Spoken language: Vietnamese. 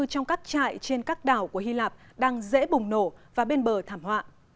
trong các trại trên các đảo của hy lạp đang dễ bùng nổ và bên bờ thảm họa